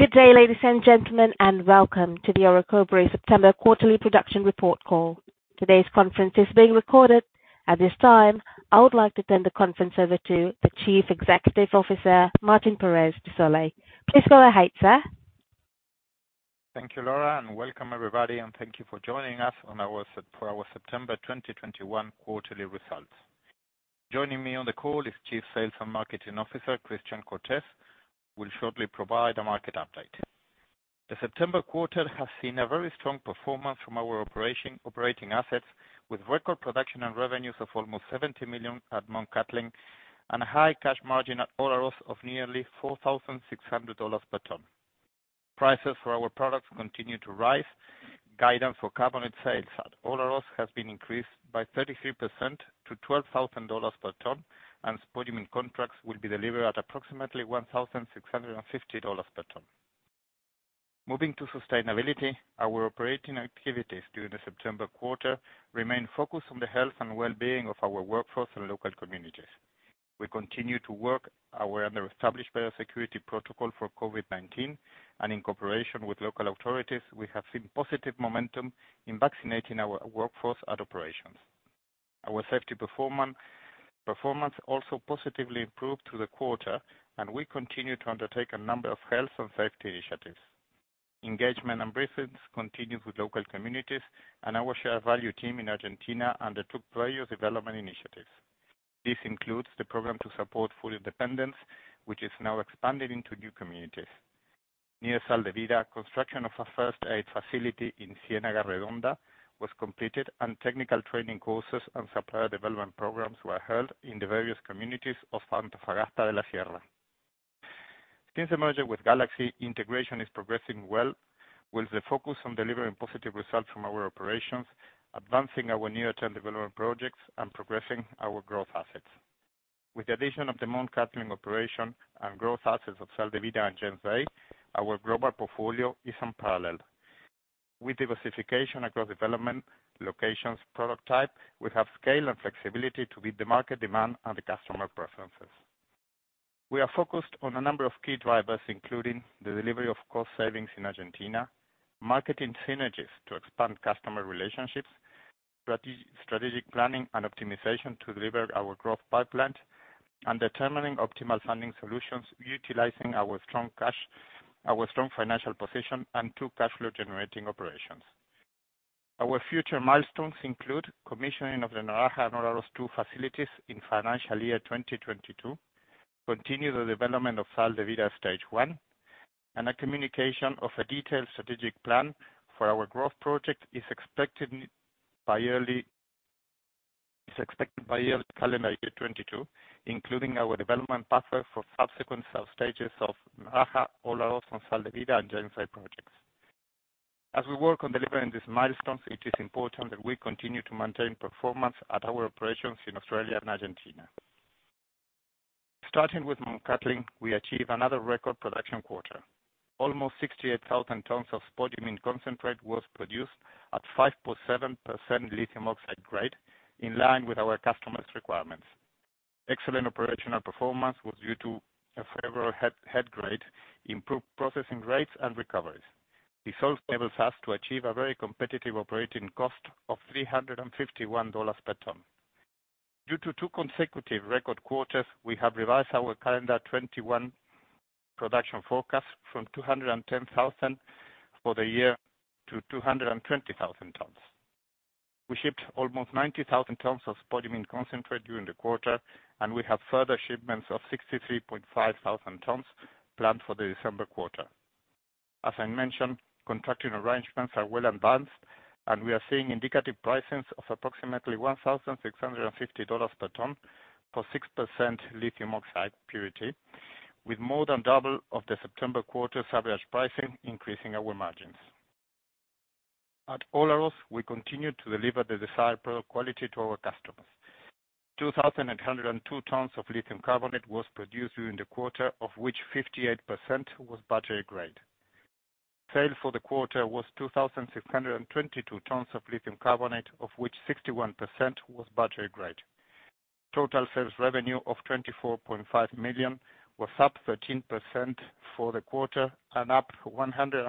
Good day, ladies and gentlemen, welcome to the Orocobre September quarterly production report call. Today's conference is being recorded. At this time, I would like to turn the conference over to the Chief Executive Officer, Martín Pérez de Solay. Please go ahead, sir. Thank you, Laura, and welcome everybody, and thank you for joining us for our September 2021 quarterly results. Joining me on the call is Chief Sales and Marketing Officer, Christian Barbier, who will shortly provide a market update. The September quarter has seen a very strong performance from our operating assets, with record production and revenues of almost 70 million at Mt Cattlin, and a high cash margin at Olaroz of nearly 4,600 dollars per tons. Prices for our products continue to rise. Guidance for carbonate sales at Olaroz has been increased by 33% to 12,000 dollars per tons. Spodumene contracts will be delivered at approximately 1,650 dollars per tons. Moving to sustainability, our operating activities during the September quarter remain focused on the health and well-being of our workforce and local communities. We continue to work under established biosecurity protocol for COVID-19, and in cooperation with local authorities, we have seen positive momentum in vaccinating our workforce at operations. Our safety performance also positively improved through the quarter, and we continue to undertake a number of health and safety initiatives. Engagement and presence continues with local communities, and our share value team in Argentina undertook various development initiatives. This includes the program to support full independence, which is now expanded into new communities. Near Sal de Vida, construction of a first aid facility in Cienaga Redonda was completed, and technical training courses and supplier development programs were held in the various communities of Antofagasta de la Sierra. Since the merger with Galaxy, integration is progressing well, with the focus on delivering positive results from our operations, advancing our near-term development projects, and progressing our growth assets. With the addition of the Mt Cattlin operation and growth assets of Sal de Vida and James Bay, our global portfolio is unparalleled. With diversification across development, locations, product type, we have scale and flexibility to meet the market demand and the customer preferences. We are focused on a number of key drivers, including the delivery of cost savings in Argentina, marketing synergies to expand customer relationships, strategic planning and optimization to deliver our growth pipeline, and determining optimal funding solutions utilizing our strong financial position and two cash flow-generating operations. Our future milestones include commissioning of the Naraha and Olaroz two facilities in financial year 2022, continue the development of Sal de Vida Stage 1. A communication of a detailed strategic plan for our growth project is expected by early calendar year 2022, including our development pathway for subsequent sub-stages of Naraha, Olaroz, and Sal de Vida, and Gente Projects. As we work on delivering these milestones, it is important that we continue to maintain performance at our operations in Australia and Argentina. Starting with Mt Cattlin, we achieve another record production quarter. Almost 68,000 tons of spodumene concentrate was produced at 5.7% lithium oxide grade, in line with our customers' requirements. Excellent operational performance was due to a favorable head grade, improved processing rates, and recoveries. This also enables us to achieve a very competitive operating cost of 351 dollars per tons. Due to two consecutive record quarters, we have revised our calendar 2021 production forecast from 210,000 for the year to 220,000 tons. We shipped almost 90,000 tons of spodumene concentrate during the quarter, and we have further shipments of 63,500 tons planned for the December quarter. As I mentioned, contracting arrangements are well advanced, and we are seeing indicative pricings of approximately 1,650 dollars per tons for 6% lithium oxide purity, with more than double of the September quarter's average pricing, increasing our margins. At Olaroz, we continue to deliver the desired product quality to our customers. 2,002 tons of lithium carbonate was produced during the quarter, of which 58% was battery grade. Sale for the quarter was 2,622 tons of lithium carbonate, of which 61% was battery grade. Total sales revenue of 24.5 million was up 13% for the quarter and up 133%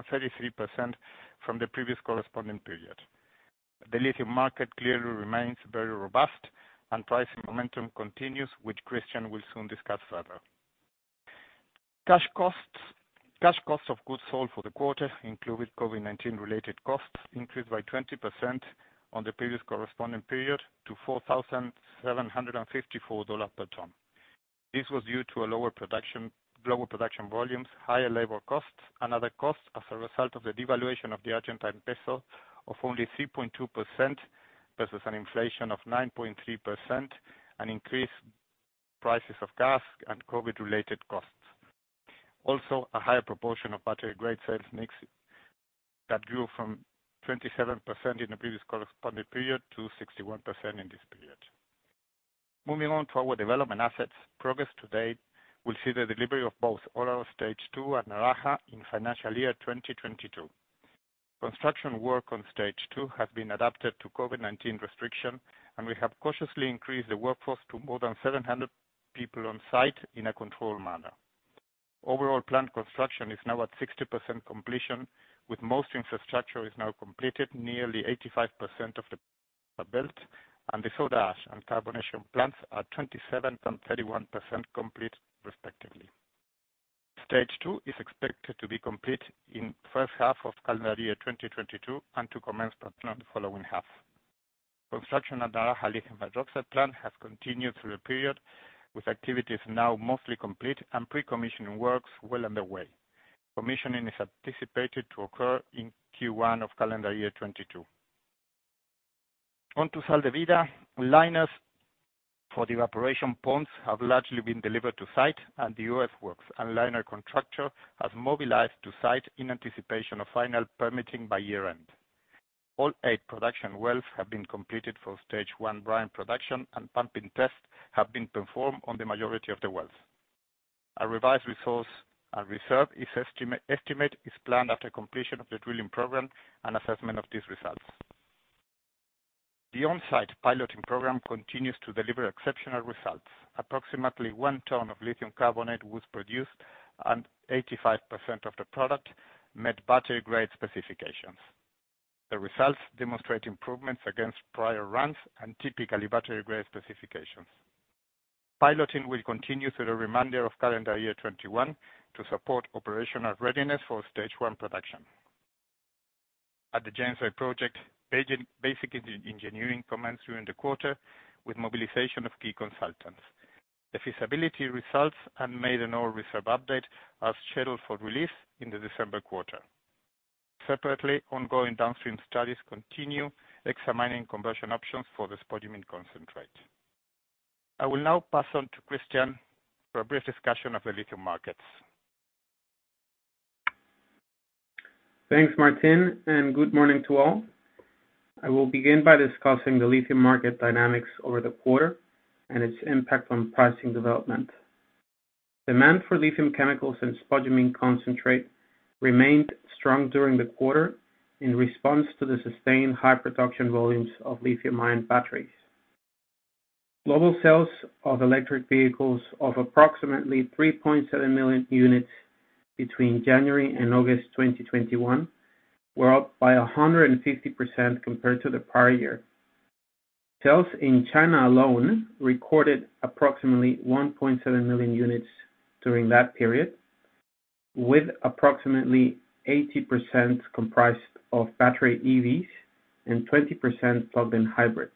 from the previous corresponding period. The lithium market clearly remains very robust and pricing momentum continues, which Christian will soon discuss further. Cash costs of goods sold for the quarter, including COVID-19-related costs, increased by 20% on the previous corresponding period to 4,754 dollars per tons. This was due to lower production volumes, higher labor costs, and other costs as a result of the devaluation of the Argentine peso of only 3.2% versus an inflation of 9.3% and increased prices of gas and COVID-related costs. Also, a higher proportion of battery grade sales mix that grew from 27% in the previous corresponding period to 61% in this period. Moving on to our development assets progress to date, we'll see the delivery of both Olaroz Stage 2 and Naraha in financial year 2022. Construction work on Stage 2 has been adapted to COVID-19 restriction, we have cautiously increased the workforce to more than 700 people on site in a controlled manner. Overall plant construction is now at 60% completion, with most infrastructure is now completed, nearly 85% of the are built, and the soda ash and carbonation plants are 27% and 31% complete respectively. Stage 2 is expected to be complete in the first half of calendar year 2022 and to commence production in the following half. Construction at Naraha lithium hydroxide plant has continued through the period, with activities now mostly complete and pre-commissioning works well underway. Commissioning is anticipated to occur in Q1 of calendar year 2022. On to Sal de Vida, liners for the evaporation ponds have largely been delivered to site, and the earthworks and liner contractor has mobilized to site in anticipation of final permitting by year-end. All eight production wells have been completed for Stage 1 brine production, and pumping tests have been performed on the majority of the wells. A revised resource and reserve estimate is planned after completion of the drilling program and assessment of these results. The on-site piloting program continues to deliver exceptional results. Approximately 1 tons of lithium carbonate was produced, and 85% of the product met battery-grade specifications. The results demonstrate improvements against prior runs and typically battery-grade specifications. Piloting will continue through the remainder of calendar year 2021 to support operational readiness for Stage 1 production. At the James Bay project, basic engineering commenced during the quarter with mobilization of key consultants. The feasibility results and ore reserve update are scheduled for release in the December quarter. Separately, ongoing downstream studies continue examining conversion options for the spodumene concentrate. I will now pass on to Christian for a brief discussion of the lithium markets. Thanks, Martin, and good morning to all. I will begin by discussing the lithium market dynamics over the quarter and its impact on pricing development. Demand for lithium chemicals and spodumene concentrate remained strong during the quarter in response to the sustained high production volumes of lithium-ion batteries. Global sales of electric vehicles of approximately 3.7 million units between January and August 2021 were up by 150% compared to the prior year. Sales in China alone recorded approximately 1.7 million units during that period, with approximately 80% comprised of battery EVs and 20% plug-in hybrid,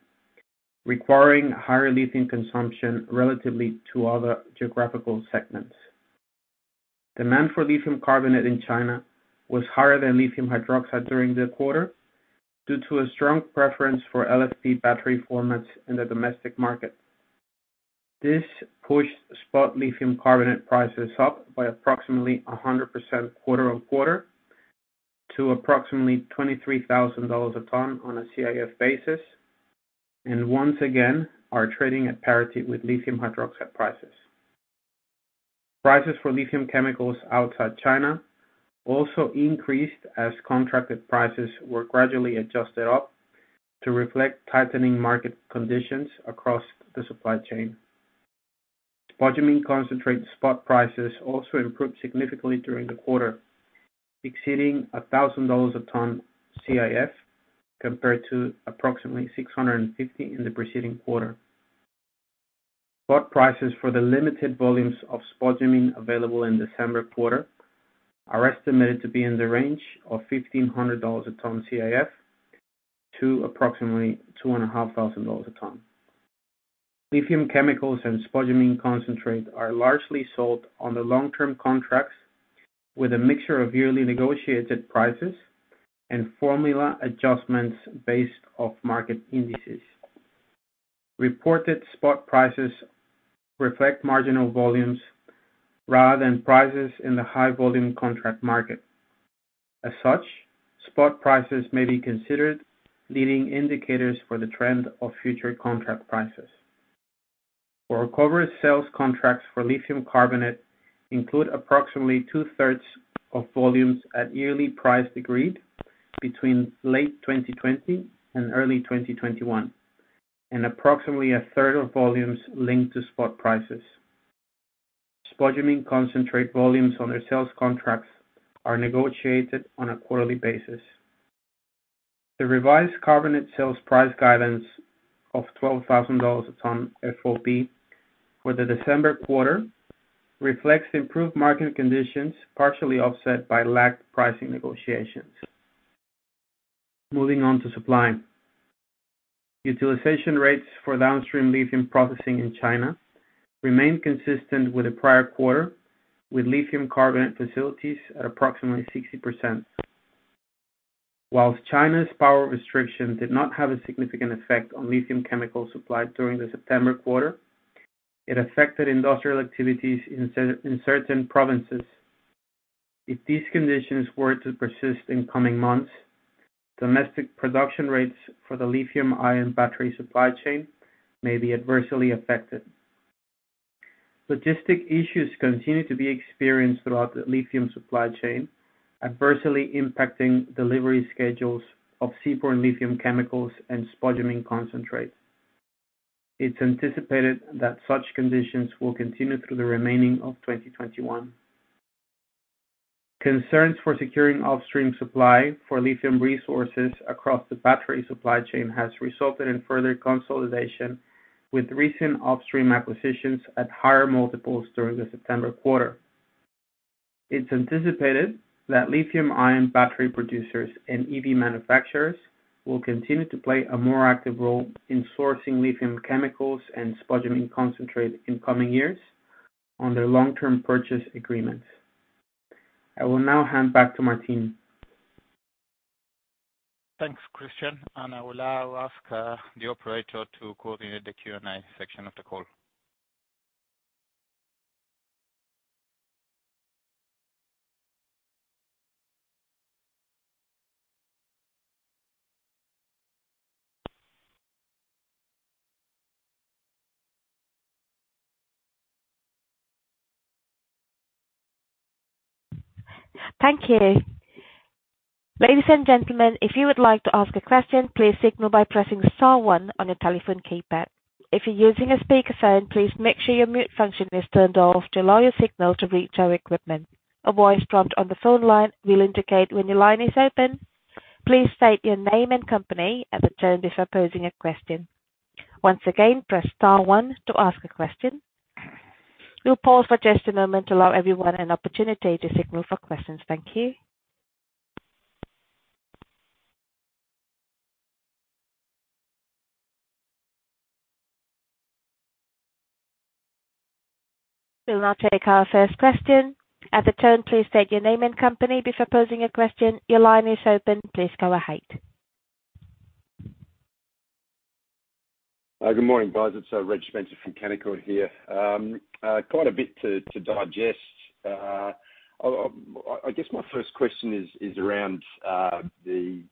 requiring higher lithium consumption relatively to other geographical segments. Demand for lithium carbonate in China was higher than lithium hydroxide during the quarter due to a strong preference for LFP battery formats in the domestic market. This pushed spot lithium carbonate prices up by approximately 100% quarter-on-quarter to approximately 23,000 dollars a tons on a CIF basis, and once again are trading at parity with lithium hydroxide prices. Prices for lithium chemicals outside China also increased as contracted prices were gradually adjusted up to reflect tightening market conditions across the supply chain. Spodumene concentrate spot prices also improved significantly during the quarter, exceeding 1,000 dollars a tons CIF compared to approximately 650 in the preceding quarter. Spot prices for the limited volumes of spodumene available in December quarter are estimated to be in the range of 1,500 dollars a tons CIF to approximately 2,500 a tons. Lithium chemicals and spodumene concentrate are largely sold on the long-term contracts with a mixture of yearly negotiated prices and formula adjustments based off market indices. Reported spot prices reflect marginal volumes rather than prices in the high volume contract market. As such, spot prices may be considered leading indicators for the trend of future contract prices. For Orocobre sales contracts for lithium carbonate include approximately 2/3 of volumes at yearly price agreed between late 2020 and early 2021 and approximately 1/3 of volumes linked to spot prices. Spodumene concentrate volumes on their sales contracts are negotiated on a quarterly basis. The revised carbonate sales price guidance of 12,000 dollars a tons FOB for the December quarter reflects improved market conditions, partially offset by lagged pricing negotiations. Moving on to supply. Utilization rates for downstream lithium processing in China remained consistent with the prior quarter, with lithium carbonate facilities at approximately 60%. Whilst China's power restriction did not have a significant effect on lithium chemical supply during the September quarter, it affected industrial activities in certain provinces. If these conditions were to persist in coming months, domestic production rates for the lithium-ion battery supply chain may be adversely affected. Logistic issues continue to be experienced throughout the lithium supply chain, adversely impacting delivery schedules of seaborne lithium chemicals and spodumene concentrates. It's anticipated that such conditions will continue through the remaining of 2021. Concerns for securing offstream supply for lithium resources across the battery supply chain has resulted in further consolidation with recent offstream acquisitions at higher multiples during the September quarter. It's anticipated that lithium-ion battery producers and EV manufacturers will continue to play a more active role in sourcing lithium chemicals and spodumene concentrate in coming years on their long-term purchase agreements. I will now hand back to Martin. Thanks, Christian, and I will now ask the operator to coordinate the Q&A section of the call. Thank you. Ladies and gentlemen, if you would like to ask a question, please signal by pressing star one on your telephone keypad. If you're using a speakerphone, please make sure your mute function is turned off to allow your signal to reach our equipment. A voice prompt on the phone line will indicate when your line is open. Please state your name and company at the tone before posing a question. Once again, press star one to ask a question. We'll pause for just a moment to allow everyone an opportunity to signal for questions. Thank you. We will now take our first question. At the tone, please state your name and company before posing a question. Your line is open. Please go ahead. Good morning, guys. It's Reg Spencer from Canaccord here. Quite a bit to digest. I guess my first question is around the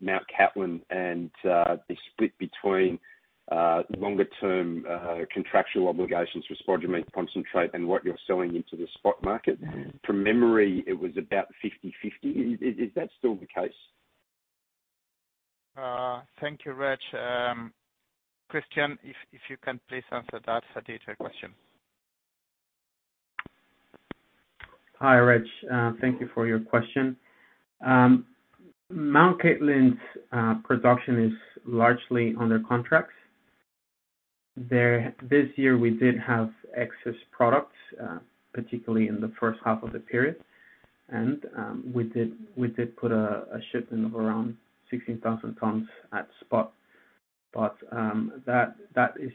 Mt Cattlin and the split between longer-term contractual obligations for spodumene concentrate and what you're selling into the spot market. From memory, it was about 50/50. Is that still the case? Thank you, Reg. Christian, if you can please answer that particular question. Hi, Reg Spencer. Thank you for your question. Mt Cattlin's production is largely under contracts. This year we did have excess products, particularly in the first half of the period. We did put a shipment of around 16,000 tons at spot, but that is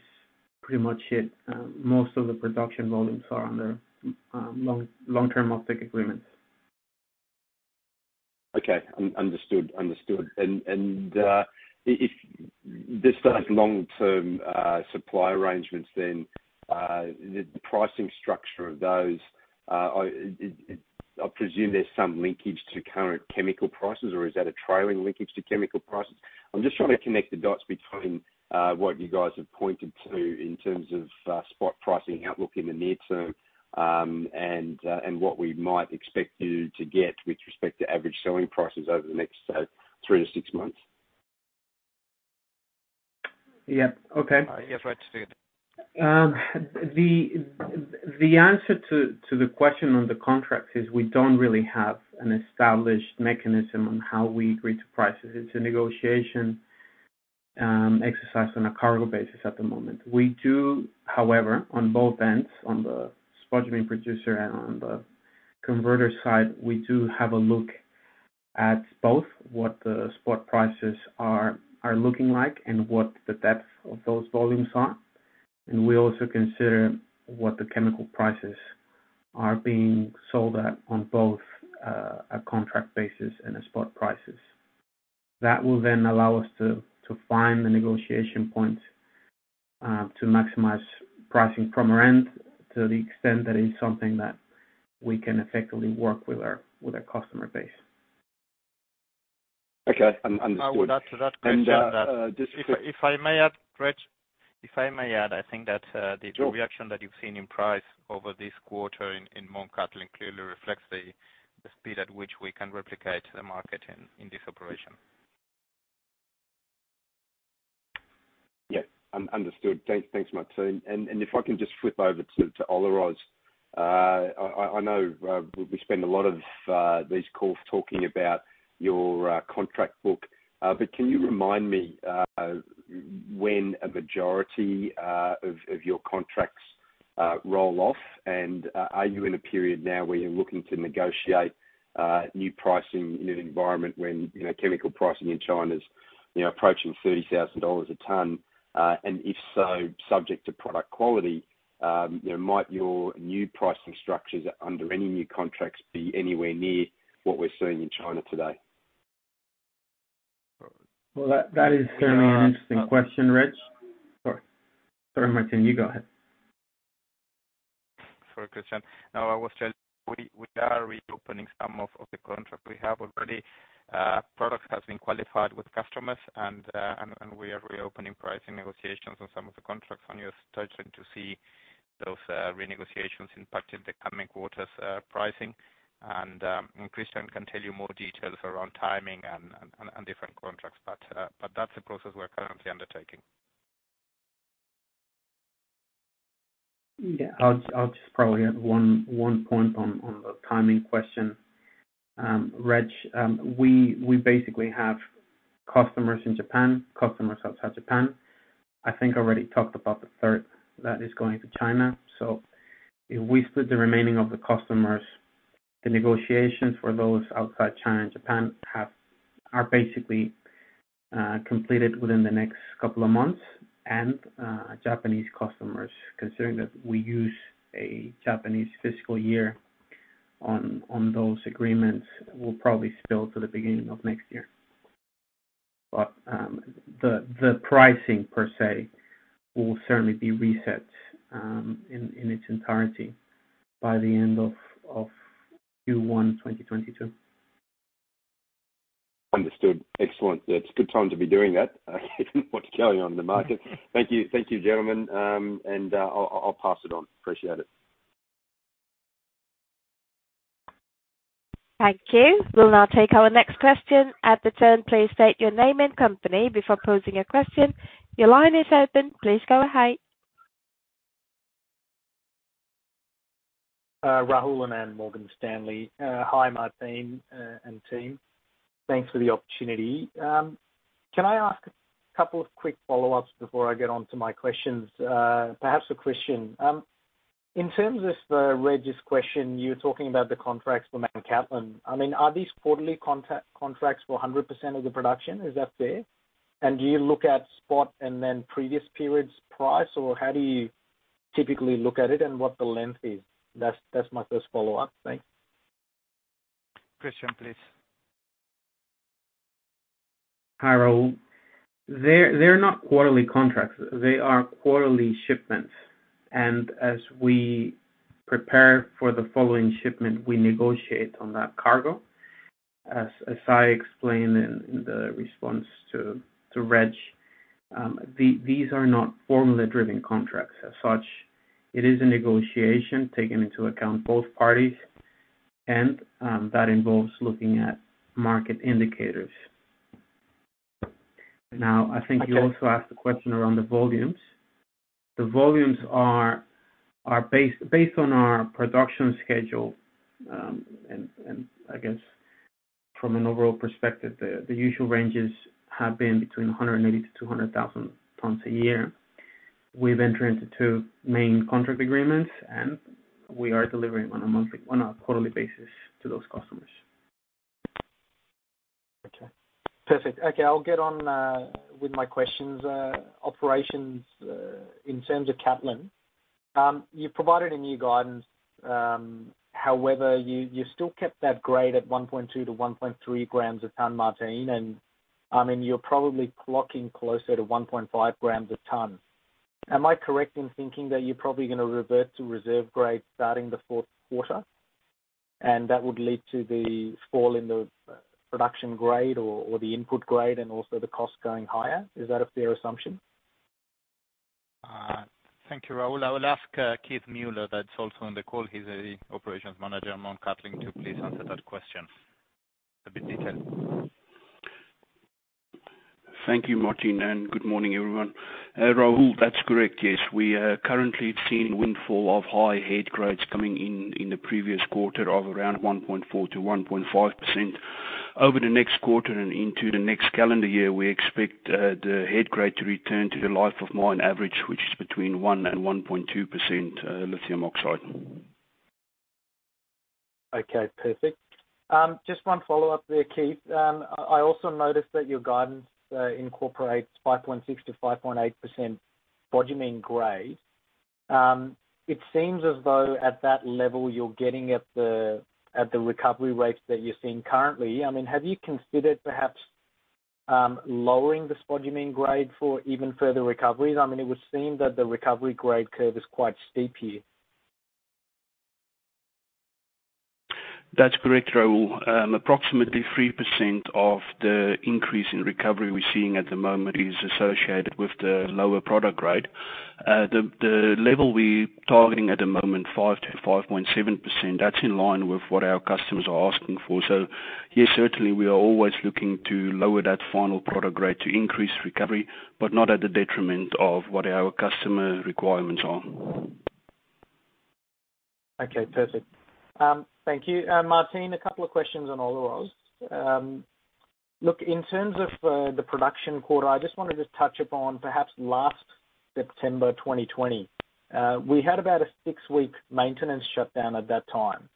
pretty much it. Most of the production volumes are under long-term offtake agreements. Okay. Understood. If there's those long-term supply arrangements, then the pricing structure of those, I presume there's some linkage to current chemical prices or is that a trailing linkage to chemical prices? I'm just trying to connect the dots between what you guys have pointed to in terms of spot pricing outlook in the near term and what we might expect you to get with respect to average selling prices over the next, say, three to six months. Yeah. Okay. Yes, Reg. Do it. The answer to the question on the contracts is we don't really have an established mechanism on how we agree to prices. It's a negotiation exercise on a cargo basis at the moment. We do, however, on both ends, on the spodumene producer and on the converter side, we do have a look at both what the spot prices are looking like and what the depth of those volumes are. We also consider what the chemical prices are being sold at on both a contract basis and a spot prices. That will then allow us to find the negotiation point to maximize pricing from our end to the extent that is something that we can effectively work with our customer base. Okay. Understood. I would add to that, Christian. And just to- If I may add, Reg. I think that the reaction that you've seen in price over this quarter in Mt Cattlin clearly reflects the speed at which we can replicate the market in this operation. Yeah. Understood. Thanks, Martín. If I can just flip over to Olaroz. I know we spend a lot of these calls talking about your contract book. Can you remind me when a majority of your contracts roll off? Are you in a period now where you're looking to negotiate new pricing in an environment when chemical pricing in China's approaching 30,000 dollars a tons? If so, subject to product quality, might your new pricing structures under any new contracts be anywhere near what we're seeing in China today? Well, that is certainly an interesting question, Reg. Sorry, Martín, you go ahead. Sorry, Christian. I was telling we are reopening some of the contracts. We have already products has been qualified with customers. We are reopening pricing negotiations on some of the contracts. You're starting to see those renegotiations impact in the coming quarters' pricing. Christian can tell you more details around timing and different contracts. That's a process we're currently undertaking. Yeah. I'll just probably add one point on the timing question. Reg, we basically have customers in Japan, customers outside Japan. I think already talked about the third that is going to China. If we split the remaining of the customers, the negotiations for those outside China and Japan are basically completed within the next couple of months. Japanese customers, considering that we use a Japanese fiscal year on those agreements, will probably spill to the beginning of next year. The pricing per se will certainly be reset in its entirety by the end of Q1 2022. Understood. Excellent. It's a good time to be doing that given what's going on in the market. Thank you. Thank you, gentlemen, and I'll pass it on. Appreciate it. Thank you. We'll now take our next question. At the turn, please state your name and company before posing a question. Your line is open please go ahead. Rahul Anand, Morgan Stanley. Hi, Martin and team. Thanks for the opportunity. Can I ask a couple of quick follow-ups before I get onto my questions? Perhaps for Christian. In terms of Reg's question, you were talking about the contracts for Mt Cattlin. Are these quarterly contracts for 100% of the production? Is that fair? Do you look at spot and then previous periods' price, or how do you typically look at it and what the length is? That's my first follow-up. Thanks. Christian, please. Hi, Rahul. They're not quarterly contracts. They are quarterly shipments. As we prepare for the following shipment, we negotiate on that cargo. As I explained in the response to Reg, these are not formula-driven contracts as such. It is a negotiation taking into account both parties, and that involves looking at market indicators. Now, I think you also asked a question around the volumes. The volumes are based on our production schedule, and I guess from an overall perspective, the usual ranges have been between 180,000 tons-200,000 tons a year. We've entered into two main contract agreements, and we are delivering on a quarterly basis to those customers. Okay. Perfect. Okay, I'll get on with my questions. Operations, in terms of Cattlin. You've provided a new guidance. However, you still kept that grade at 1.2 g to 1.3 g a tons, Martin, and you're probably clocking closer to 1.5 g a tons. Am I correct in thinking that you're probably going to revert to reserve grade starting the fourth quarter, and that would lead to the fall in the production grade or the input grade and also the cost going higher? Is that a fair assumption? Thank you, Rahul. I will ask Keith Muller that is also on the call. He is the operations manager at Mt Cattlin to please answer that question with a bit detail. Thank you, Martin. Good morning, everyone. Rahul, that's correct, yes. We are currently seeing a windfall of high head grades coming in in the previous quarter of around 1.4%-1.5%. Over the next quarter and into the next calendar year, we expect the head grade to return to the life of mine average, which is between 1% and 1.2% lithium oxide. Okay, perfect. Just one follow-up there, Keith. I also noticed that your guidance incorporates 5.6%-5.8% spodumene grade. It seems as though at that level, you're getting at the recovery rates that you're seeing currently. Have you considered perhaps lowering the spodumene grade for even further recoveries? It would seem that the recovery grade curve is quite steep here. That's correct, Rahul. Approximately 3% of the increase in recovery we're seeing at the moment is associated with the lower product grade. The level we're targeting at the moment, 5%-5.7%, that's in line with what our customers are asking for. Yes, certainly, we are always looking to lower that final product grade to increase recovery, but not at the detriment of what our customer requirements are. Okay, perfect. Thank you. Martín, a couple of questions on Olaroz. In terms of the production quarter, I just wanted to touch upon perhaps last September 2020. We had about a six-week maintenance shutdown at that time.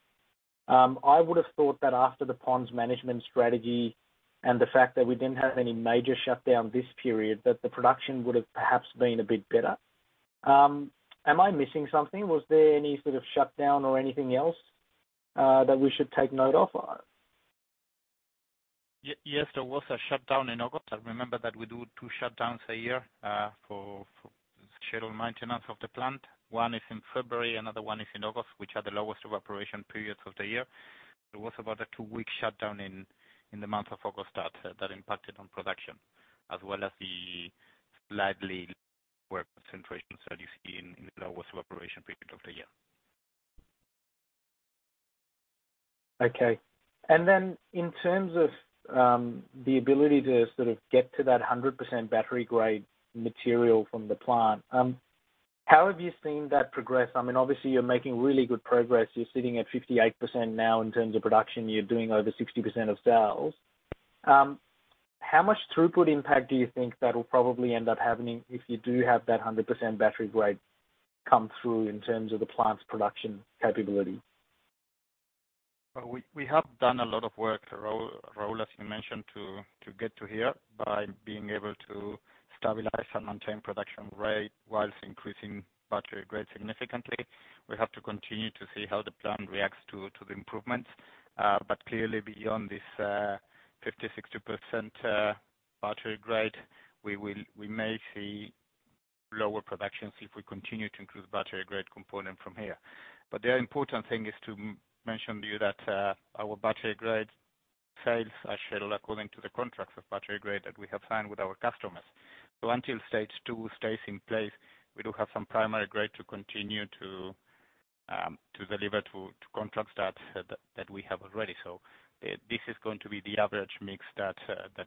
I would have thought that after the ponds management strategy and the fact that we didn't have any major shutdown this period, that the production would have perhaps been a bit better. Am I missing something? Was there any sort of shutdown or anything else that we should take note of? There was a shutdown in August. Remember that we do two shutdowns a year for scheduled maintenance of the plant. One is in February, another one is in August, which are the lowest of operation periods of the year. There was about a two-week shutdown in the month of August that impacted on production as well as the slightly lower concentrations that you see in the lowest operation period of the year. Okay. In terms of the ability to sort of get to that 100% battery-grade material from the plant, how have you seen that progress? Obviously, you're making really good progress. You're sitting at 58% now in terms of production. You're doing over 60% of sales. How much throughput impact do you think that'll probably end up having if you do have that 100% battery-grade come through in terms of the plant's production capability? We have done a lot of work, Rahul, as you mentioned, to get to here by being able to stabilize and maintain production rate whilst increasing battery grade significantly. We have to continue to see how the plant reacts to the improvements. Clearly beyond this, 50%, 60% battery grade, we may see lower productions if we continue to include battery grade component from here. The important thing is to mention to you that our battery grade sales are scheduled according to the contracts of battery grade that we have signed with our customers. Until Stage 2 stays in place, we do have some primary grade to continue to deliver to contracts that we have already. This is going to be the average mix that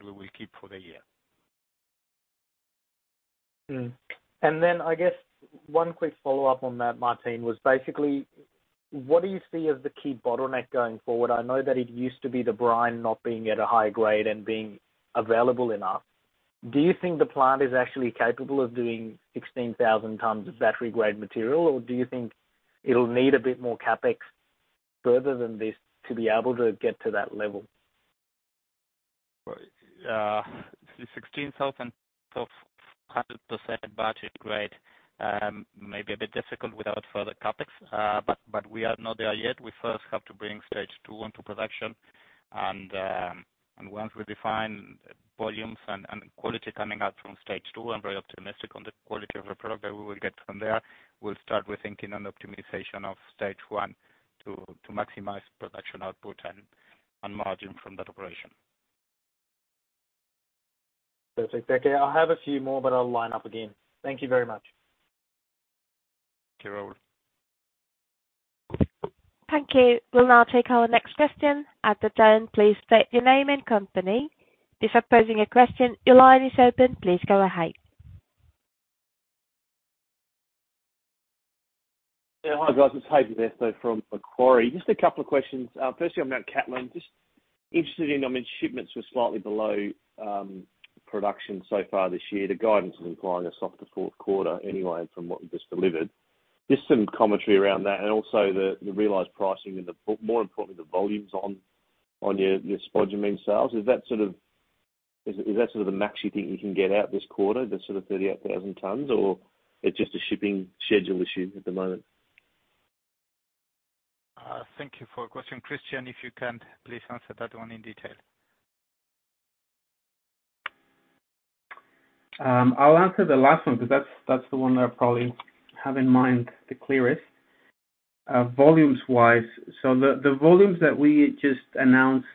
we will keep for the year. I guess one quick follow-up on that, Martin, was basically, what do you see as the key bottleneck going forward? I know that it used to be the brine not being at a high grade and being available enough. Do you think the plant is actually capable of doing 16,000 tons of battery-grade material, or do you think it'll need a bit more CapEx further than this to be able to get to that level? 16,000 of 100% battery grade may be a bit difficult without further CapEx. We are not there yet. We first have to bring Stage 2 into production. Once we define volumes and quality coming out from Stage 2, I'm very optimistic on the quality of the product that we will get from there. We'll start rethinking an optimization of Stage 1 to maximize production output and margin from that operation. Perfect. Okay. I have a few more, but I'll line up again. Thank you very much. Okay, Rahul Anand. Thank you. We'll now take our next question. At this time please state your name and company before posing your question, Your line is open please go ahead. Hi, guys. It's Hayden Bairstow from Macquarie. Just a couple of questions. Firstly, on Mt Cattlin, just interested in, I mean, shipments were slightly below production so far this year. The guidance is implying a softer fourth quarter anyway, from what you just delivered. Just some commentary around that and also the realized pricing and the, more importantly, the volumes on your spodumene sales. Is that sort of the max you think you can get out this quarter, the sort of 38,000 tons, or it's just a shipping schedule issue at the moment? Thank you for your question. Christian, if you can, please answer that one in detail. I'll answer the last one because that's the one that I probably have in mind the clearest. Volumes wise, so the volumes that we just announced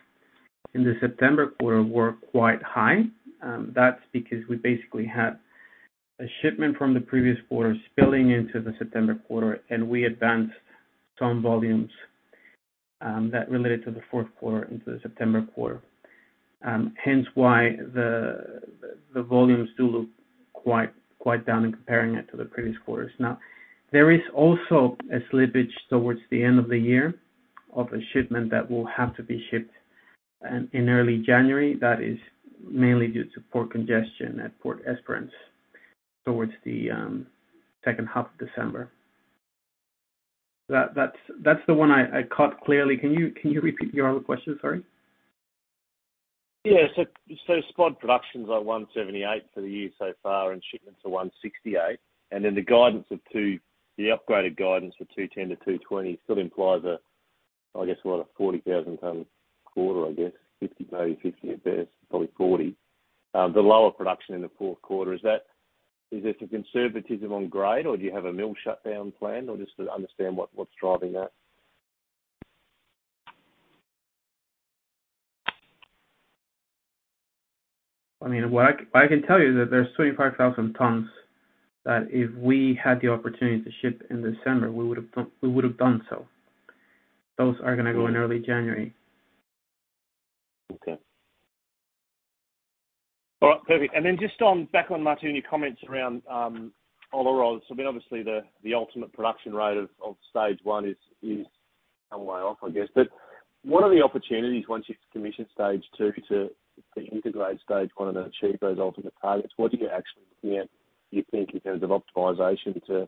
in the September quarter were quite high. That's because we basically had a shipment from the previous quarter spilling into the September quarter, and we advanced some volumes that related to the fourth quarter into the September quarter. Hence why the volumes do look quite down in comparing it to the previous quarters. Now, there is also a slippage towards the end of the year of a shipment that will have to be shipped in early January. That is mainly due to port congestion at Port of Esperance towards the second half of December. That's the one I caught clearly. Can you repeat your other question? Sorry. Yeah. Spod productions are 178 for the year so far, and shipments are 168. The upgraded guidance for 210-220 still implies a, I guess, what, a 40,000 tons quarter, I guess. 50, maybe 50 at best, probably 40. The lower production in the fourth quarter, is this a conservatism on grade, or do you have a mill shutdown planned, or just to understand what's driving that? I can tell you that there's 25,000 tons that if we had the opportunity to ship in December, we would've done so. Those are going to go in early January. Okay. All right, perfect. Just back on, Martín, your comments around Olaroz. I mean, obviously the ultimate production rate of Stage 1 is some way off, I guess. What are the opportunities once you've commissioned Stage 2 to integrate stage 1 and achieve those ultimate targets? What are you actually looking at, you think, in terms of optimization to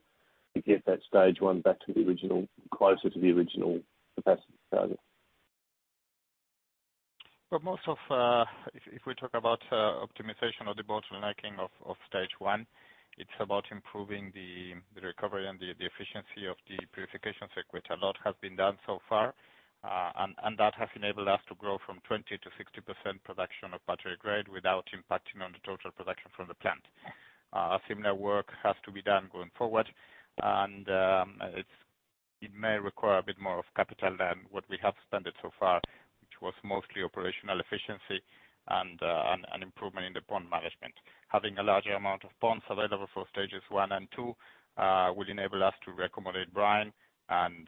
get that Stage 1 back to the original, closer to the original capacity target? If we talk about optimization of the bottlenecking of Stage 1, it's about improving the recovery and the efficiency of the purification circuit. A lot has been done so far, and that has enabled us to grow from 20%-60% production of battery grade without impacting on the total production from the plant. Similar work has to be done going forward, and it may require a bit more of capital than what we have spent so far, which was mostly operational efficiency and an improvement in the pond management. Having a larger amount of ponds available for Stages 1 and 2 will enable us to accommodate brine and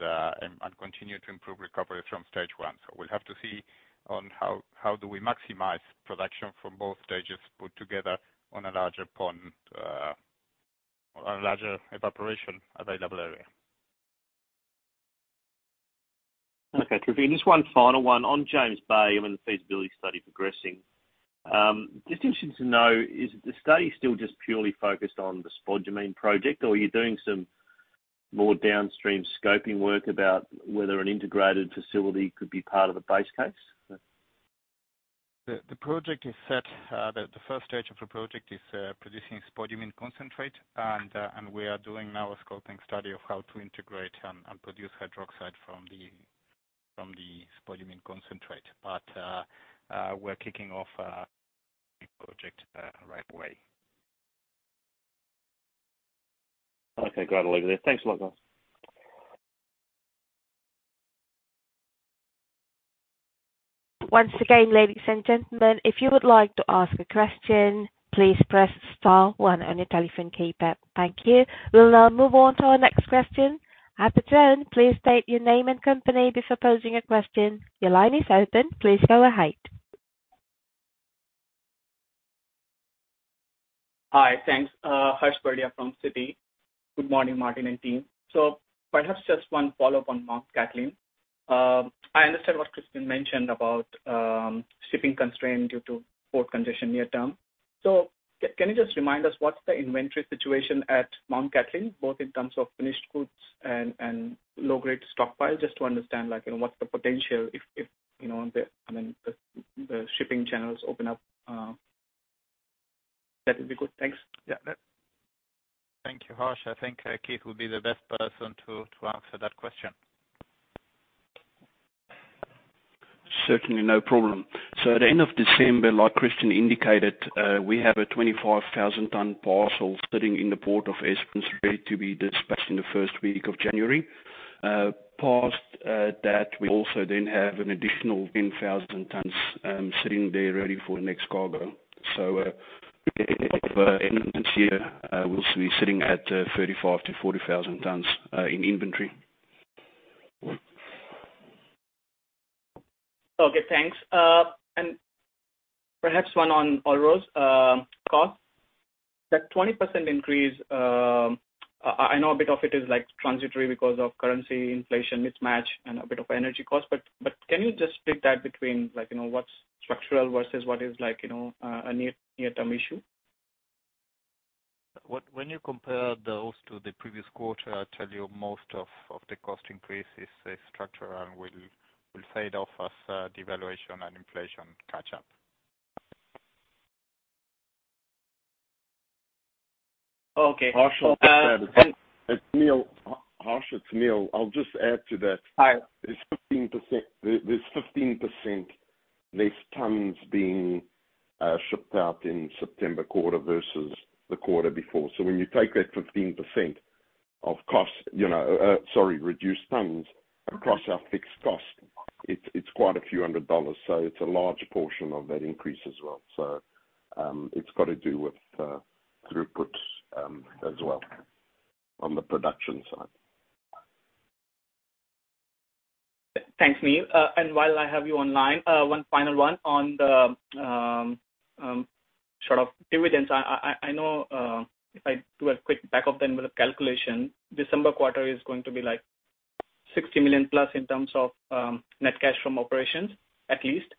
continue to improve recovery from Stage 1. We'll have to see on how do we maximize production from both stages put together on a larger evaporation available area. Okay, Martin. Just one final one on James Bay and the feasibility study progressing. Just interesting to know, is the study still just purely focused on the spodumene project, or are you doing some more downstream scoping work about whether an integrated facility could be part of the base case? The first stage of the project is producing spodumene concentrate, and we are doing now a scoping study of how to integrate and produce hydroxide from the spodumene concentrate. We're kicking off a project right away. Okay. Got it. Thanks a lot, guys. Once again, ladies and gentlemen, if you would like to ask a question, please press star one on your telephone keypad. Thank you. We'll now move on to our next question. At the tone, please state your name and company before posing a question. Your line is open. Please go ahead. Hi, thanks. Harsh Bardia from Citi. Good morning, Martín and team. Perhaps just one follow-up on Mt Cattlin. I understand what Christian mentioned about shipping constraint due to port congestion near term. Can you just remind us what's the inventory situation at Mt Cattlin, both in terms of finished goods and low-grade stockpile, just to understand what's the potential if the shipping channels open up? That would be good. Thanks. Thank you, Harsh. I think Keith will be the best person to answer that question. Certainly. No problem. At the end of December, like Christian indicated, we have a 25,000 tons parcel sitting in the Port of Esperance, ready to be dispatched in the first week of January. Past that, we also then have an additional 10,000 tons sitting there ready for the next cargo. At the end of this year, we'll be sitting at 35,000 tons-40,000 tons in inventory. Okay, thanks. Perhaps one on Olaroz cost. That 20% increase, I know a bit of it is transitory because of currency inflation mismatch and a bit of energy cost. Can you just split that between what's structural versus what is a near-term issue? When you compare those to the previous quarter, I tell you most of the cost increase is structural and will fade off as devaluation and inflation catch up. Okay. Harsh, it's Neil. I'll just add to that. Hi. There's 15% less tons being shipped out in September quarter versus the quarter before. When you take that 15% of reduced tons across our fixed cost, it's quite a few 100 dollars. It's a large portion of that increase as well. It's got to do with throughput as well on the production side. Thanks, Neil. While I have you online, one final one on the sort of dividends. I know if I do a quick back of the envelope calculation, December quarter is going to be 60 million+ in terms of net cash from operations, at least.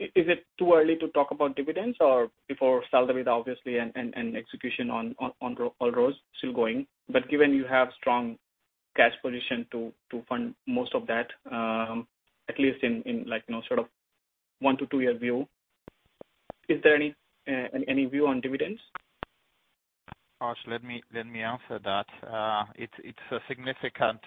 Is it too early to talk about dividends or before Sal de Vida, obviously, and execution on Olaroz still going, but given you have strong cash position to fund most of that, at least in one to two-year view, is any view on dividends? Harsh, let me answer that. It's a significant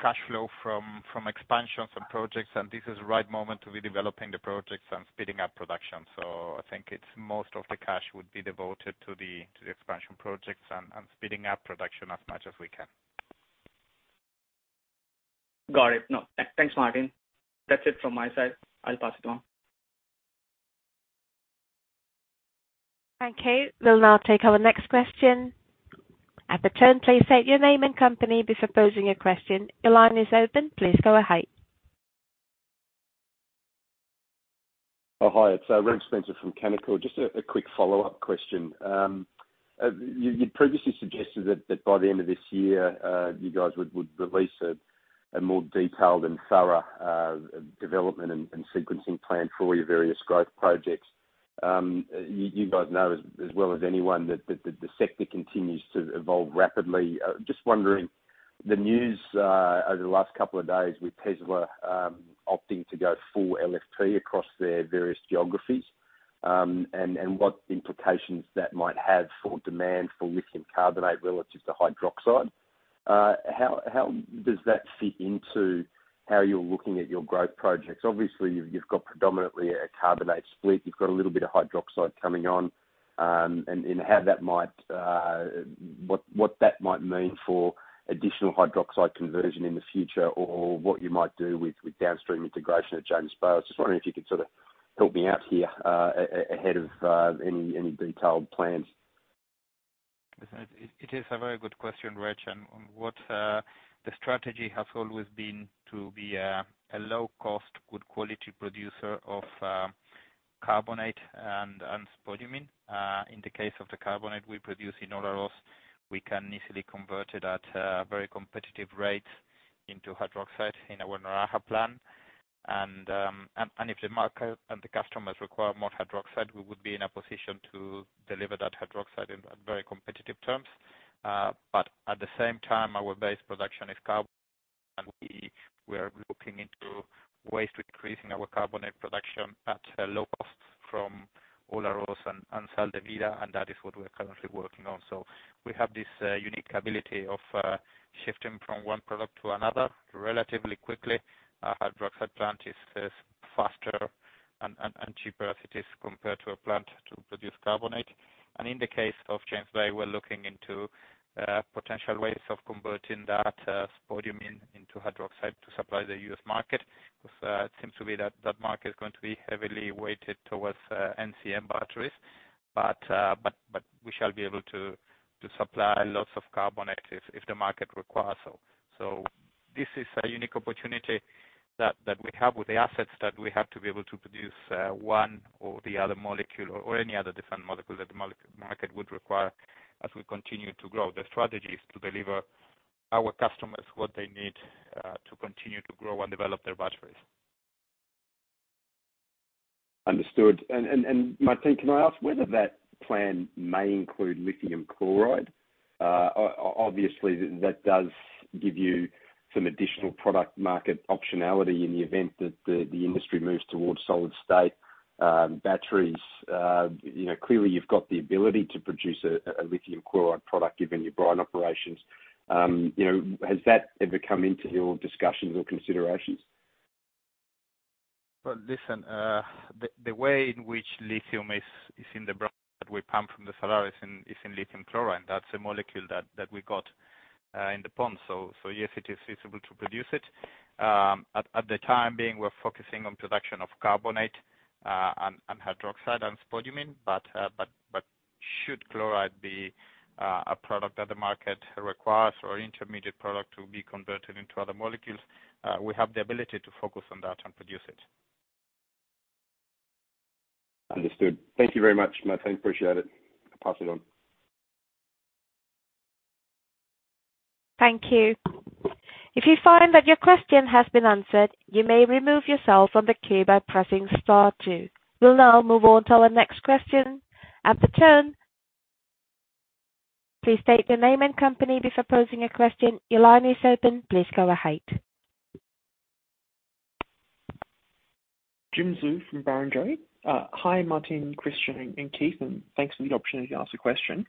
cash flow from expansions and projects, and this is the right moment to be developing the projects and speeding up production. I think most of the cash would be devoted to the expansion projects and speeding up production as much as we can. Got it. Thanks, Martín. That's it from my side. I'll pass it on. Thank you. We'll now take our next question. At the tone, please state your name and company before posing your question. Your line is open. Please go ahead. Hi, it's Reg Spencer from Canaccord. Just a quick follow-up question. You previously suggested that by the end of this year, you guys would release a more detailed and thorough development and sequencing plan for your various growth projects. You guys know as well as anyone that the sector continues to evolve rapidly. Just wondering, the news over the last couple of days with Tesla opting to go full LFP across their various geographies, and what implications that might have for demand for lithium carbonate relative to hydroxide. How does that fit into how you're looking at your growth projects? Obviously, you've got predominantly a carbonate split. You've got a little bit of hydroxide coming on, and what that might mean for additional hydroxide conversion in the future, or what you might do with downstream integration at James Bay. I was just wondering if you could sort of help me out here, ahead of any detailed plans. It is a very good question, Reg Spencer. What the strategy has always been to be a low cost, good quality producer of carbonate and spodumene. In the case of the carbonate we produce in Olaroz, we can easily convert it at a very competitive rate into hydroxide in our Naraha plant. If the market and the customers require more hydroxide, we would be in a position to deliver that hydroxide in very competitive terms. At the same time, our base production is carbonate, we are looking into ways to increasing our carbonate production at a low cost from Olaroz and Sal de Vida, that is what we're currently working on. We have this unique ability of shifting from one product to another relatively quickly. Our hydroxide plant is faster and cheaper as it is compared to a plant to produce carbonate. In the case of James Bay, we're looking into potential ways of converting that spodumene into hydroxide to supply the U.S. market, because it seems to be that that market is going to be heavily weighted towards NCM batteries. We shall be able to supply lots of carbonate if the market requires so. This is a unique opportunity that we have with the assets that we have to be able to produce one or the other molecule or any other different molecule that the market would require as we continue to grow. The strategy is to deliver our customers what they need, to continue to grow and develop their batteries. Understood. Martin, can I ask whether that plan may include lithium chloride? Obviously, that does give you some additional product market optionality in the event that the industry moves towards solid state batteries. Clearly, you've got the ability to produce a lithium chloride product given your brine operations. Has that ever come into your discussions or considerations? Well, listen, the way in which lithium is in the brine that we pump from the salars is in lithium chloride. That's a molecule that we got in the pond. Yes, it is feasible to produce it. At the time being, we're focusing on production of carbonate and hydroxide and spodumene. Should chloride be a product that the market requires or intermediate product to be converted into other molecules, we have the ability to focus on that and produce it. Understood. Thank you very much, Martín. Appreciate it. I'll pass it on. Thank you. If you find that your question has been answered, you may remove yourself from the queue by pressing star two. We will now move on to our next question. Operator, please state your name and company before posing a question. Your line is open. Please go ahead. [Jing Zhu] from Barrenjoey. Hi, Martín, Christian, and Keith, and thanks for the opportunity to ask a question.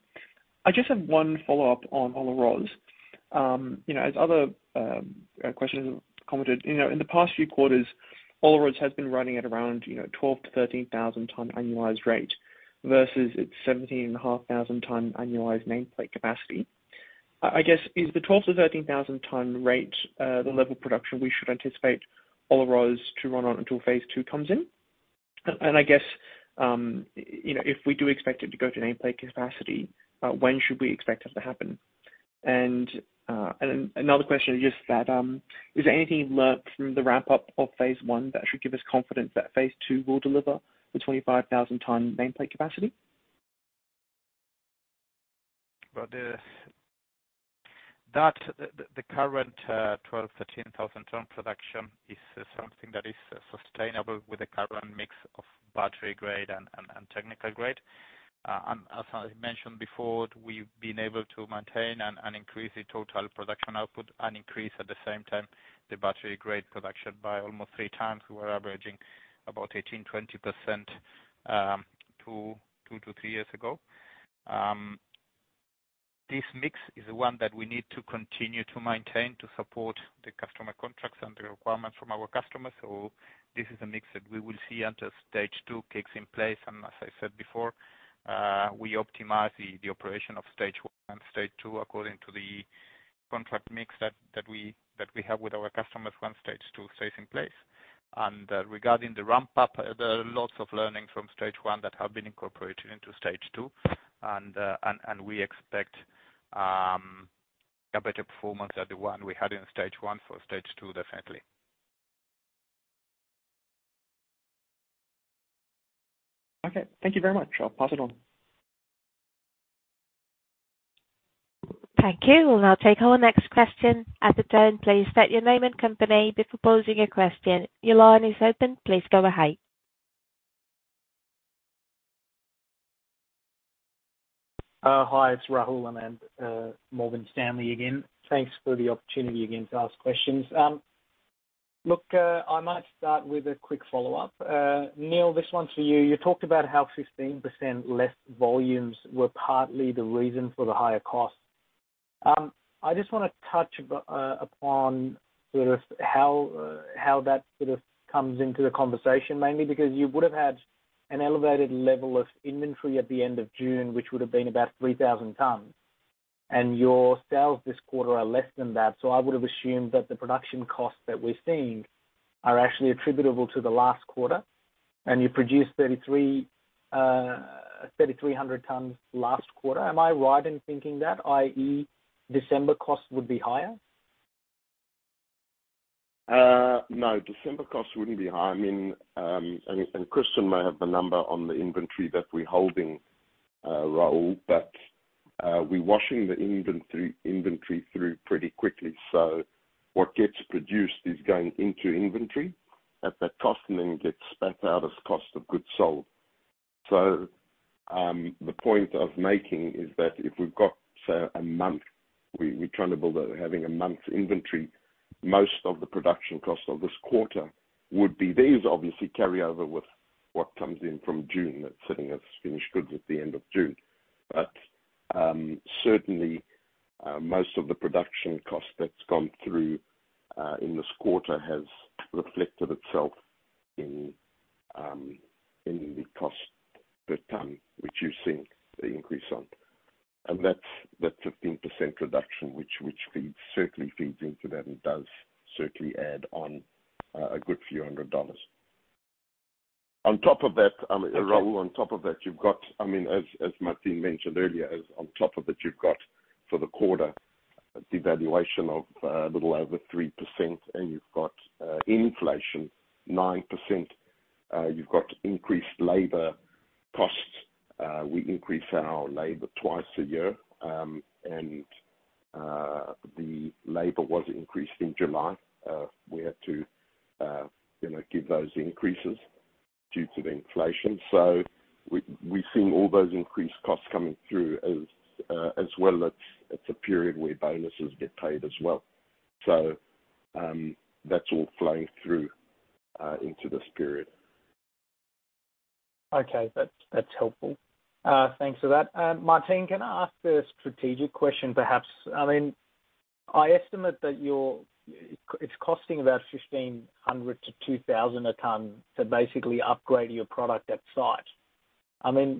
I just have one follow-up on Olaroz. As other questions commented, in the past few quarters, Olaroz has been running at around 12,000 tons-13,000 tons annualized rate versus its 17,500 tons annualized nameplate capacity. I guess, is the 12,000 tons-13,000 tons rate the level of production we should anticipate Olaroz to run on until phase II comes in? I guess, if we do expect it to go to nameplate capacity, when should we expect it to happen? Another question is just that, is there anything you've learnt from the ramp-up of phase I that should give us confidence that phase II will deliver the 25,000 tons nameplate capacity? Well, the current 12,000 tons-13,000 tons production is something that is sustainable with the current mix of battery grade and technical grade. As I mentioned before, we've been able to maintain and increase the total production output and increase at the same time the battery grade production by almost 3x We were averaging about 18%-20% two to three years ago. This mix is the one that we need to continue to maintain to support the customer contracts and the requirements from our customers. This is a mix that we will see until Stage 2 kicks in place. As I said before, we optimize the operation of Stage 1 and Stage 2 according to the contract mix that we have with our customers once Stage 2 stays in place. Regarding the ramp-up, there are lots of learnings from Stage 1 that have been incorporated into Stage 2, and we expect a better performance than the one we had in Stage 1 for Stage 2, definitely. Okay. Thank you very much. I'll pass it on. Thank you. We'll now take our next question. At the tone, please state your name and company before posing your question. Your line is open. Please go ahead. Hi, it's Rahul Anand, Morgan Stanley again. Thanks for the opportunity again to ask questions. Look, I might start with a quick follow-up. Neil, this one's for you. You talked about how 15% less volumes were partly the reason for the higher cost. I just want to touch upon how that sort of comes into the conversation, mainly because you would have had an elevated level of inventory at the end of June, which would have been about 3,000 tons. Your sales this quarter are less than that. I would have assumed that the production costs that we're seeing are actually attributable to the last quarter. You produced 3,300 tons last quarter. Am I right in thinking that, i.e., December costs would be higher? No, December costs wouldn't be higher. Christian may have the number on the inventory that we're holding, Rahul. We're washing the inventory through pretty quickly. What gets produced is going into inventory at that cost, and then gets spat out as cost of goods sold. The point I was making is that if we've got, say, a month, we're trying to build out having a month's inventory. Most of the production cost of this quarter would be. There's obviously carryover with what comes in from June, that's sitting as finished goods at the end of June. Certainly, most of the production cost that's gone through in this quarter has reflected itself in the cost per ton, which you're seeing the increase on. That 15% reduction, which certainly feeds into that and does certainly add on a good few 100 dollars. On top of that, Rahul, as Martín mentioned earlier, on top of it, you've got for the quarter a devaluation of a little over 3% and you've got inflation 9%. You've got increased labor costs. We increase our labor twice a year. The labor was increased in July. We had to give those increases due to the inflation. We're seeing all those increased costs coming through. As well, it's a period where bonuses get paid as well. That's all flowing through into this period. Okay. That's helpful. Thanks for that. Martín, can I ask a strategic question, perhaps? I estimate that it's costing about 1,500-2,000 a ton to basically upgrade your product at site.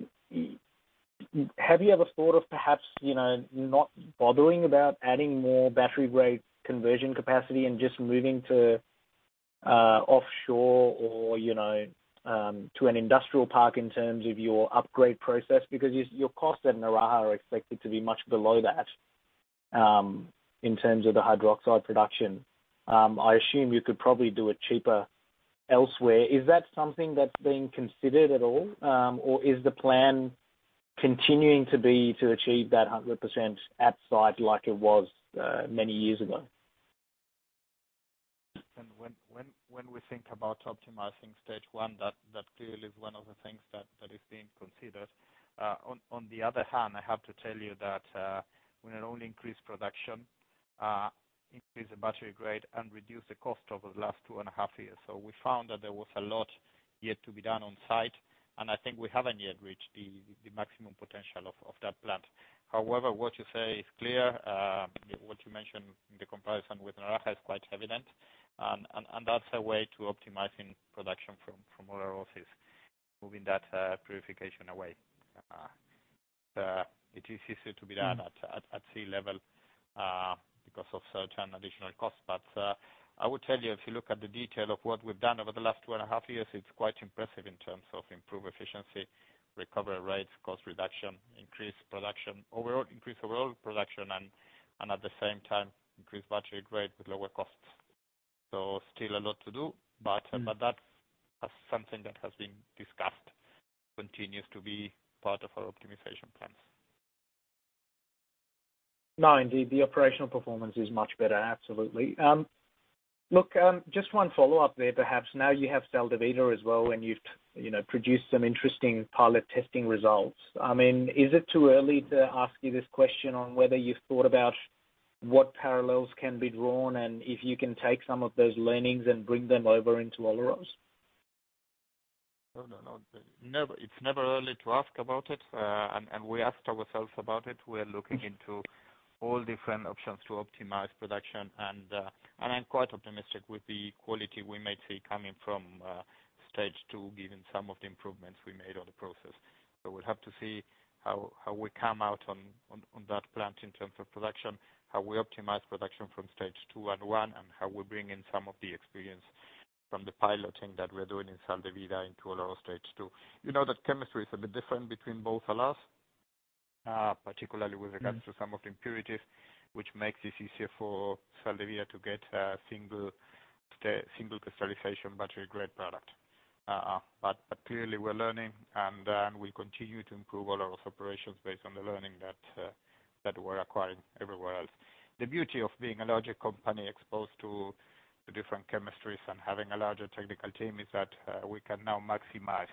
Have you ever thought of perhaps not bothering about adding more battery-grade conversion capacity and just moving to offshore or to an industrial park in terms of your upgrade process? Your cost at Naraha are expected to be much below that in terms of the hydroxide production. I assume you could probably do it cheaper elsewhere. Is that something that's being considered at all? Is the plan continuing to be to achieve that 100% at site like it was many years ago? When we think about optimizing Stage 1, that clearly is one of the things that is being considered. On the other hand, I have to tell you that we not only increased production, increased the battery grade, and reduced the cost over the last 2.5 years. We found that there was a lot yet to be done on-site, and I think we haven't yet reached the maximum potential of that plant. However, what you say is clear. What you mentioned in the comparison with Naraha is quite evident, and that's a way to optimizing production from Olaroz is moving that purification away. It is easier to be done at sea level because of certain additional costs. I would tell you, if you look at the detail of what we've done over the last 2.5 Years, it's quite impressive in terms of improved efficiency, recovery rates, cost reduction, increased production overall, and at the same time increase battery grade with lower costs. Still a lot to do, that's something that has been discussed, continues to be part of our optimization plans. No, indeed. The operational performance is much better, absolutely. Look, just one follow-up there, perhaps. Now you have Sal de Vida as well and you've produced some interesting pilot testing results. Is it too early to ask you this question on whether you've thought about what parallels can be drawn and if you can take some of those learnings and bring them over into Olaroz? No. It's never early to ask about it. We asked ourselves about it. We're looking into all different options to optimize production, and I'm quite optimistic with the quality we may see coming from Stage 2, given some of the improvements we made on the process. We'll have to see how we come out on that plant in terms of production, how we optimize production from Stage 2 and 1, and how we bring in some of the experience from the piloting that we're doing in Sal de Vida into Olaroz Stage 2. You know that chemistry is a bit different between both salares, particularly with regards to some of the impurities, which makes it easier for Sal de Vida to get a single crystallization battery-grade product. Clearly we're learning, and then we continue to improve all of those operations based on the learning that we're acquiring everywhere else. The beauty of being a larger company exposed to different chemistries and having a larger technical team is that we can now maximize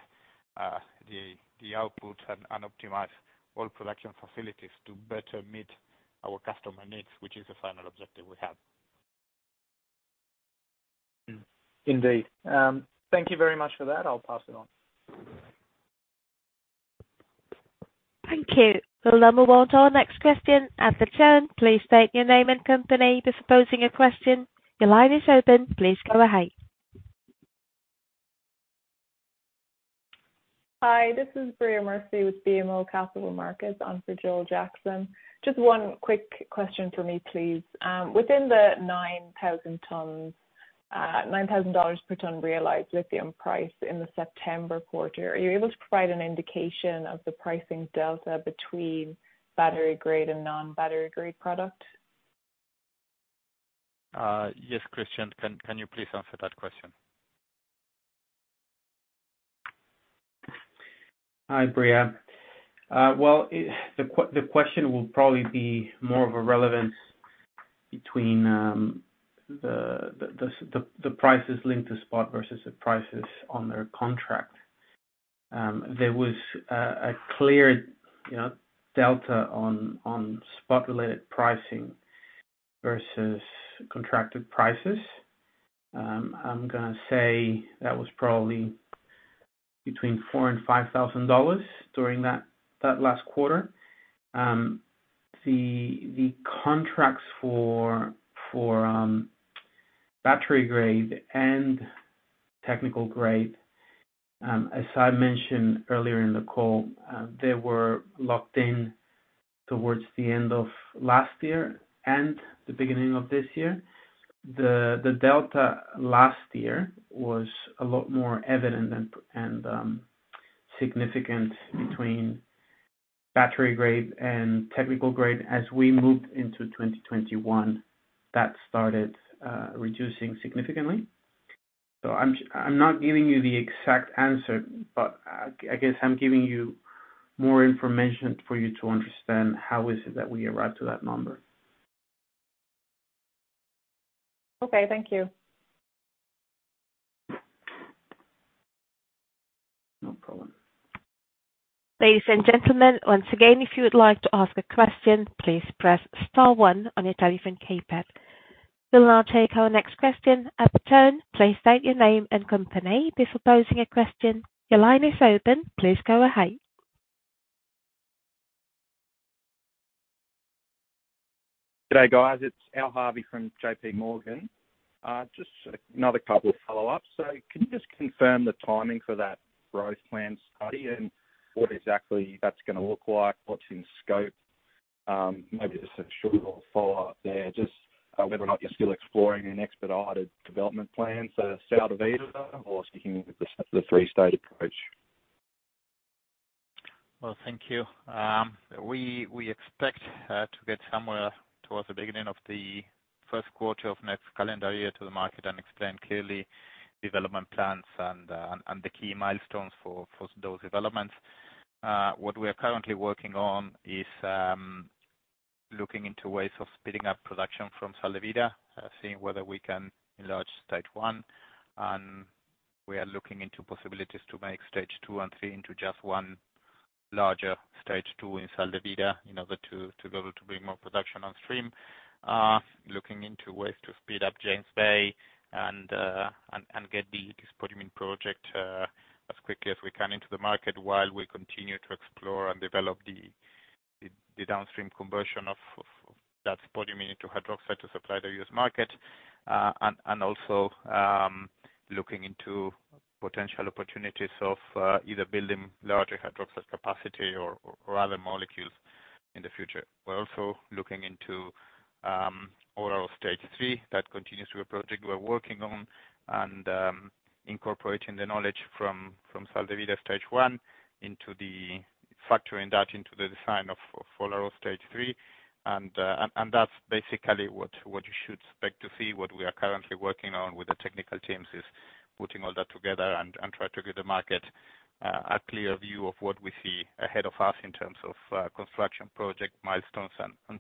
the output and optimize all production facilities to better meet our customer needs, which is the final objective we have. Indeed. Thank you very much for that. I'll pass it on. Thank you. We'll now move on to our next question. At the tone, please state your name and company before posing your question. Your line is open. Please go ahead. Hi, this is Bria Murphy with BMO Capital Markets on for Joel Jackson. Just one quick question from me, please. Within the 9,000 per ton realized lithium price in the September quarter, are you able to provide an indication of the pricing delta between battery grade and non-battery grade product? Yes. Christian, can you please answer that question? Hi, Bria Murphy. Well, the question will probably be more of a relevance between the prices linked to spot versus the prices on their contract. There was a clear delta on spot related pricing versus contracted prices. I'm going to say that was probably between 4,000 and 5,000 dollars during that last quarter. The contracts for battery grade and technical grade, as I mentioned earlier in the call, they were locked in towards the end of last year and the beginning of this year. The delta last year was a lot more evident and significant between battery grade and technical grade. As we moved into 2021, that started reducing significantly. I'm not giving you the exact answer, but I guess I'm giving you more information for you to understand how is it that we arrived to that number. Okay. Thank you. No problem. Ladies and gentlemen, once again, if you would like to ask a question, please press star one on your telephone keypad. We'll now take our next question. At the tone, please state your name and company before posing a question. Your line is open. Please go ahead. Good day, guys. It's Al Harvey from JPMorgan. Just another couple of follow-ups. Can you just confirm the timing for that growth plan study and what exactly that's going to look like? What's in scope? Maybe just a short little follow-up there, just whether or not you're still exploring an expedited development plan for Sal de Vida or sticking with the three-state approach. Well, thank you. We expect to get somewhere towards the beginning of the first quarter of next calendar year to the market and explain clearly development plans and the key milestones for those developments. What we are currently working on is looking into ways of speeding up production from Sal de Vida, seeing whether we can enlarge Stage 1. We are looking into possibilities to make Stage 2 and 3 into just one larger Stage 2 in Sal de Vida in order to be able to bring more production on stream. Looking into ways to speed up James Bay and get the spodumene project as quickly as we can into the market while we continue to explore and develop the downstream conversion of that spodumene into hydroxide to supply the U.S. market. Also, looking into potential opportunities of either building larger hydroxide capacity or other molecules in the future. We're also looking into Olaroz Stage 3. That continues to be a project we are working on and incorporating the knowledge from Sal de Vida Stage 1, factoring that into the design of Olaroz Stage 3. That's basically what you should expect to see. What we are currently working on with the technical teams is putting all that together and try to give the market a clear view of what we see ahead of us in terms of construction project milestones and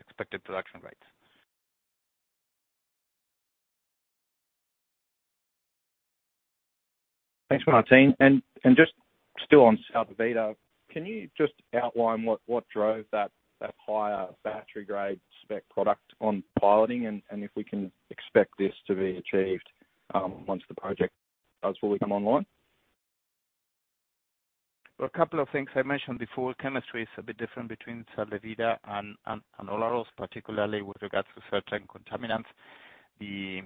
expected production rates. Thanks, Martín. Just still on Sal de Vida, can you just outline what drove that higher battery grade spec product on piloting and if we can expect this to be achieved once the project does fully come online? Well, a couple of things I mentioned before. Chemistry is a bit different between Sal de Vida and Olaroz, particularly with regards to certain contaminants. The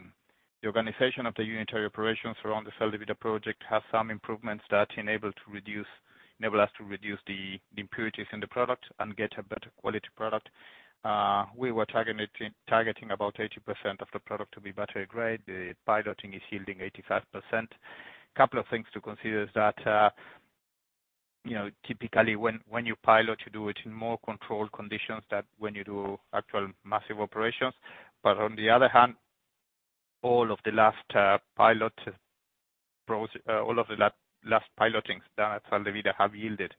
organization of the unitary operations around the Sal de Vida project has some improvements that enable us to reduce the impurities in the product and get a better quality product. We were targeting about 80% of the product to be battery grade. The piloting is yielding 85%. Couple of things to consider is that. Typically, when you pilot, you do it in more controlled conditions than when you do actual massive operations. On the other hand, all of the last pilotings done at Sal de Vida have yielded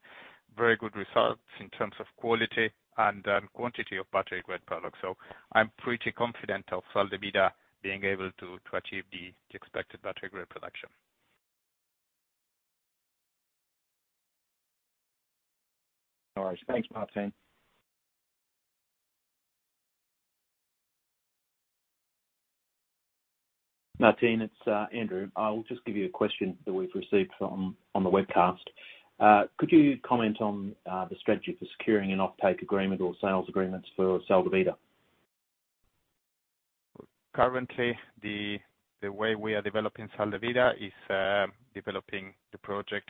very good results in terms of quality and quantity of battery-grade product. I'm pretty confident of Sal de Vida being able to achieve the expected battery grade production. All right. Thanks, Martín. Martín, it's Andrew. I will just give you a question that we've received from on the webcast. Could you comment on the strategy for securing an offtake agreement or sales agreements for Sal de Vida? Currently, the way we are developing Sal de Vida is developing the project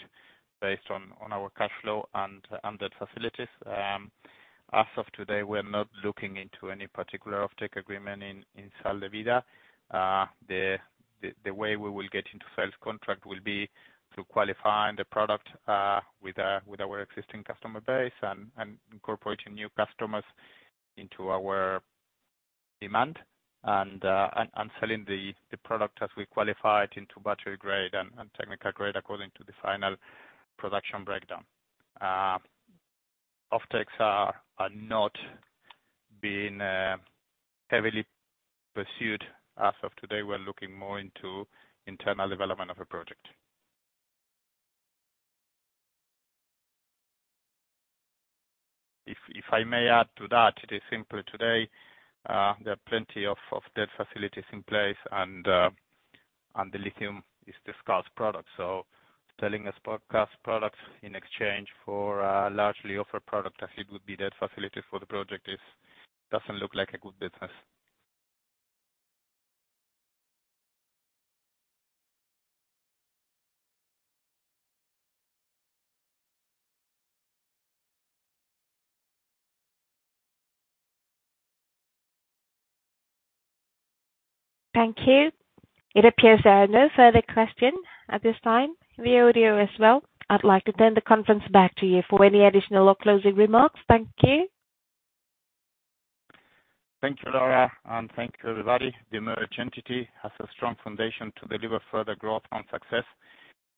based on our cash flow and debt facilities. As of today, we are not looking into any particular offtake agreement in Sal de Vida. The way we will get into sales contract will be to qualifying the product with our existing customer base and incorporating new customers into our demand, selling the product as we qualify it into battery grade and technical grade according to the final production breakdown. Offtakes are not being heavily pursued as of today. We're looking more into internal development of a project. If I may add to that, it is simply today, there are plenty of debt facilities in place. The lithium is discussed product. Selling a discussed product in exchange for a largely offered product as it would be debt facility for the project doesn't look like a good business. Thank you. It appears there are no further questions at this time, via audio as well. I'd like to turn the conference back to you for any additional or closing remarks. Thank you. Thank you, Laura, and thank you, everybody. The merged entity has a strong foundation to deliver further growth and success.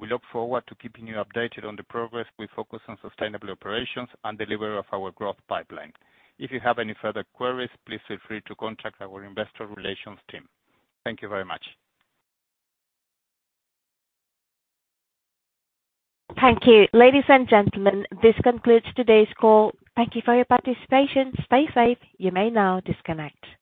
We look forward to keeping you updated on the progress. We focus on sustainable operations and delivery of our growth pipeline. If you have any further queries, please feel free to contact our investor relations team. Thank you very much. Thank you. Ladies and gentlemen, this concludes today's call. Thank you for your participation. Stay safe. You may now disconnect.